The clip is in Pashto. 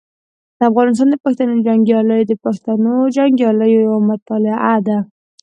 د افغانستان د پښتنو جنګیالي د پښتنو جنګیالیو یوه مطالعه ده.